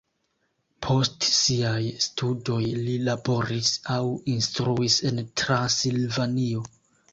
Post siaj studoj li laboris aŭ instruis en Transilvanio.